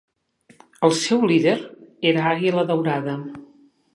El seu líder era "Àguila Daurada".